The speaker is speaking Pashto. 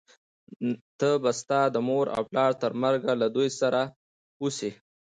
ته به ستا د مور و پلار تر مرګه له دوی سره اوسې،